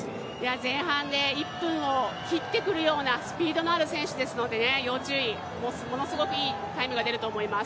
前半で１分を切ってくるようなスピードのある選手ですので要注意ものすごくいいタイムが出ると思います。